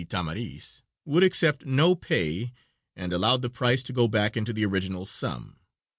Tamaris, would accept no pay and allowed the price to go back into the original sum.